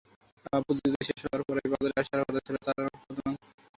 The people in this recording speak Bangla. প্রতিযোগিতা শেষ হওয়ার পরই বাজারে আসার কথা ছিল তাঁর প্রথম একক অ্যালবামের।